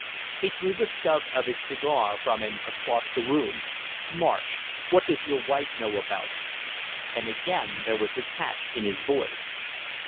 He threw the stub of his cigar from him across the room. "Marsh, what does your wife know about me?" And again there was the catch to his voice.